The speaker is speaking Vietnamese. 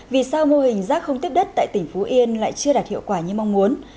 vì sao mô hình rác không tiếp đất tại tỉnh phú yên lại chưa đạt hiệu quả như mong muốn